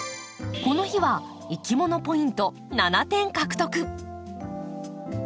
この日はいきものポイント７点獲得。